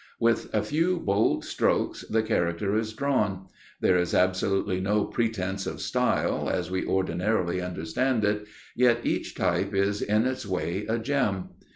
With a few bold strokes the character is drawn. There is absolutely no pretense of style, as we ordinarily understand it; yet each type is in its way a gem.